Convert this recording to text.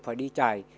phải đi trải